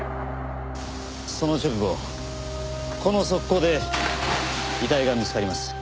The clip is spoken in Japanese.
その直後この側溝で遺体が見つかります。